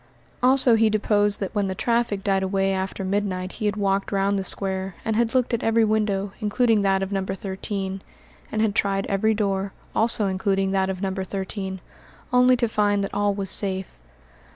Also he deposed that when the traffic died away after midnight he had walked round the square, and had looked at every window, including that of No. 13, and had tried every door, also including that of No. 13, only to find that all was safe.